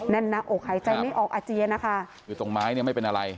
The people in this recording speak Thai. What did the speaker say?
แน่นนะโอเคใจไม่ออกอาเจียนะคะอยู่ตรงไม้เนี่ยไม่เป็นอะไร